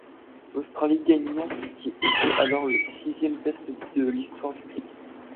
L'Australie gagna ce qui était alors le sixième test de l'histoire du cricket.